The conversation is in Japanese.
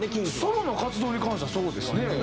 ソロの活動に関してはそうですね。